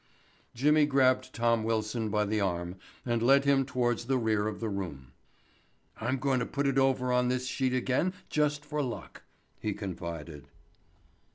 Jimmy grabbed Tom Wilson by the arm and led him towards the rear of the room. "I'm going to put it over on this sheet again just for luck," he confided.